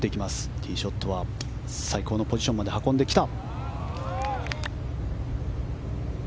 ティーショットは最高のポジションまで運んできた。